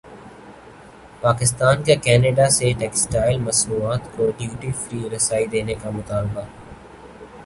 پاکستان کاکینیڈا سے ٹیکسٹائل مصنوعات کو ڈیوٹی فری رسائی دینے کامطالبہ